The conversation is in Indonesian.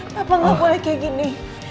papa gak boleh kayak gini